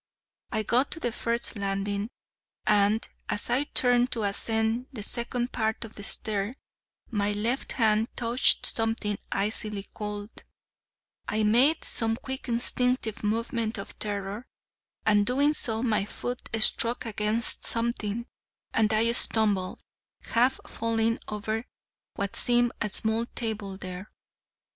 I got to the first landing, and as I turned to ascend the second part of the stair, my left hand touched something icily cold: I made some quick instinctive movement of terror, and, doing so, my foot struck against something, and I stumbled, half falling over what seemed a small table there.